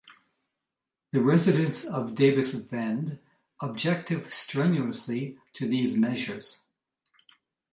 The residents of Davis Bend objected strenuously to these measures.